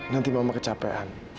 nanti mama kecapean